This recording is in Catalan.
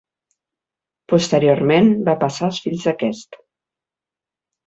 Posteriorment va passar als fills d'aquest.